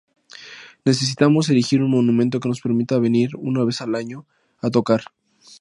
Necesitamos erigir un monumento que nos permita venir una vez al año a tocar".